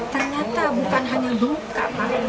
ternyata bukan hanya buka pak